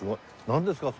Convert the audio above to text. なんですか？